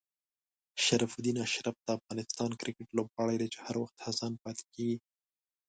شرف الدین اشرف د افغان کرکټ لوبغاړی دی چې هر وخت هڅاند پاتې کېږي.